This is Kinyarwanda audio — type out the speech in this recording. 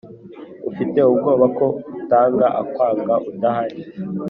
ufite ubwoba ko utanga akwanga udahari.